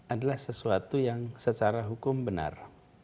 adalah sesuatu yang secara hukum benar